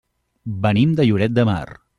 Venim de Lloret de Mar.